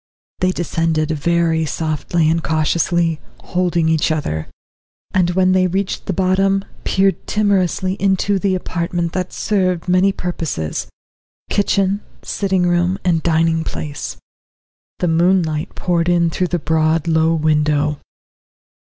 They descended very softly and cautiously, holding each other, and when they reached the bottom, peered timorously into the apartment that served many purposes kitchen, sitting room, and dining place. The moonlight poured in through the broad, low window.